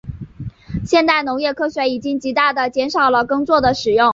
现代农业科学已经极大地减少了耕作的使用。